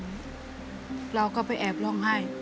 แล้วตอนนี้พี่พากลับไปในสามีออกจากโรงพยาบาลแล้วแล้วตอนนี้จะมาถ่ายรายการ